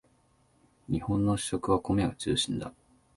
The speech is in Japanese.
日本の主食は米が中心だ